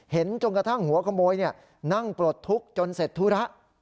จนกระทั่งหัวขโมยนั่งปลดทุกข์จนเสร็จธุระ